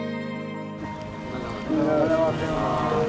おはようございます。